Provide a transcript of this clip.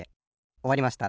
おわりました。